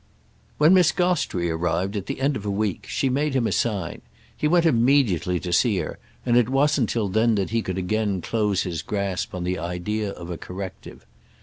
II When Miss Gostrey arrived, at the end of a week, she made him a sign; he went immediately to see her, and it wasn't till then that he could again close his grasp on the idea of a corrective.